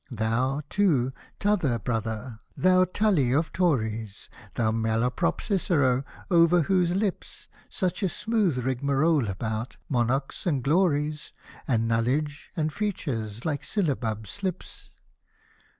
Thou, too, t'other brother, thou Tully of Tories, Thou Malaprop Cicero, over whose lips Such a smooth rigrriarole about "monarchs," and " glories," And " nullidge^^ and " features," Hke syllabub slips.